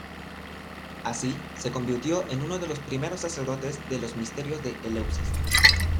Así, se convirtió en uno de los primeros sacerdotes de los Misterios de Eleusis.